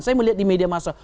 saya melihat di media masa